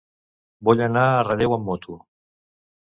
Vull anar a Relleu amb moto.